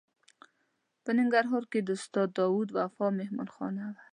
په ننګرهار کې د استاد داود وفا مهمانه خانه وه.